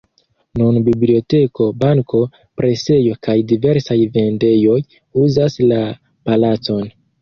Nun biblioteko, banko, presejo kaj diversaj vendejoj uzas la palacon.